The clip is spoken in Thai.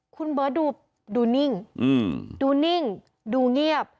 คุณเบิร์ตดูนิ่งดูนิ่งดูเงียบ